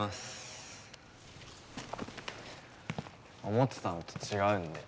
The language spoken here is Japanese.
思ってたのと違うんで。